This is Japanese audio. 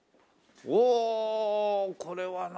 おおこれはなんか。